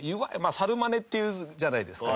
猿マネって言うじゃないですか。